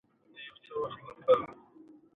ابدالي د چیناب سیند پر غاړه خېمې وهلې دي.